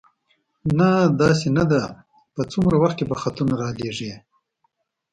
نه، داسې نه ده، په څومره وخت کې به خطونه را لېږې؟